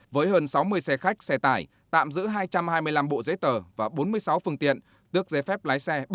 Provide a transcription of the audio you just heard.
với hơn sáu mươi xe khách xe tải tạm giữ hai trăm hai mươi năm bộ giấy tờ và bốn mươi sáu phương tiện tước giấy phép lái xe